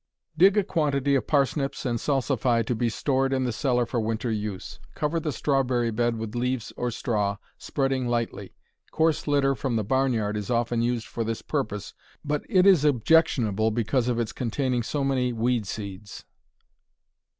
Dig a quantity of parsnips and salsify to be stored in the cellar for winter use. Cover the strawberry bed with leaves or straw, spreading lightly. Coarse litter from the barn yard is often used for this purpose, but it is objectionable because of its containing so many weed seeds.